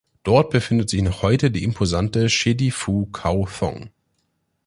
Dort befindet sich noch heute die imposante "Chedi Phu Khao Thong".